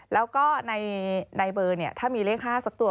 แล้วก็ในเบอร์ถ้ามีเลข๕สักตัว